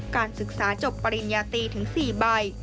การศึกษาจบปริญญาตรีถึง๔ใบ